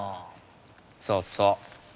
そうそう。